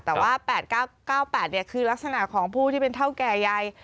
แต่ว่า๘๙๙๘คือลักษณะของผู้ที่เป็นเท่าแก่ใหญ่